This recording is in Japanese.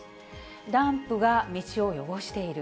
ダンプが道を汚している。